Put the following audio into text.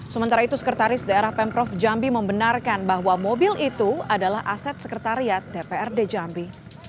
sementara itu sekretaris daerah pemprov jambi membenarkan bahwa mobil itu adalah aset sekretariat dprd jambi